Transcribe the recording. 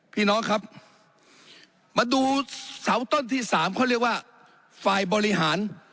พี่น้องครับมาดูเสาต้นที่สามเขาเรียกว่าฝ่ายบริหาร